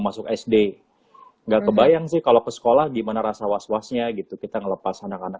masuk sd nggak kebayang sih kalau ke sekolah gimana rasa was wasnya gitu kita ngelepas anak anak